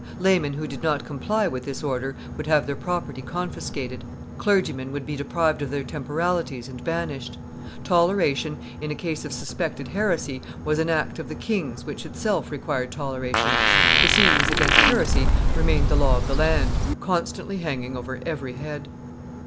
Laymen who did not comply with this order would have their property confiscated; clergymen would be deprived of their temporalities and banished. Toleration, in a case of suspected heresy, was an act of the king's which itself required toleration; proceedings against heresy remained the law of the land, constantly hanging over every head.